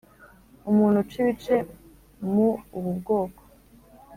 Umuntu uca ibice mu ubu bwoko